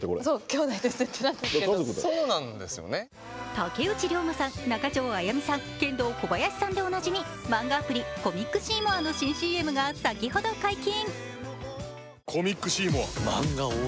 竹内涼真さん、中条あやみさん、ケンドーコバヤシさんでおなじみ、漫画アプリ、コミックシーモアの新ＣＭが先ほど解禁。